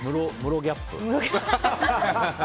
ムロギャップ。